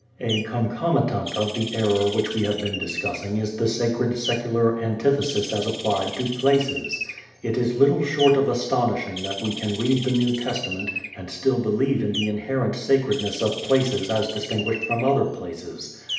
A concomitant of the error which we have been discussing is the sacred secular antithesis as applied to places. It is little short of astonishing that we can read the New Testament and still believe in the inherent sacredness of places as distinguished from other places.